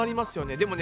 でもね